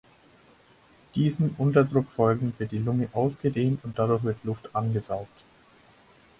Diesem Unterdruck folgend wird die Lunge ausgedehnt und dadurch wird Luft angesaugt.